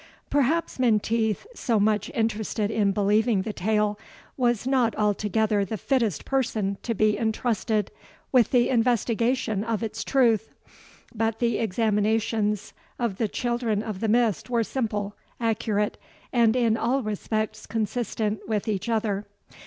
Perhaps Menteith, so much interested in believing the tale, was not altogether the fittest person to be intrusted with the investigation of its truth; but the examinations of the Children of the Mist were simple, accurate, and in all respects consistent with each other.